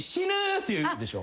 って言うでしょ？